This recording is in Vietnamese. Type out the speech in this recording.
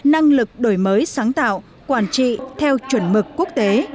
năng lực đổi mới sáng tạo quản trị theo chuẩn mực quốc tế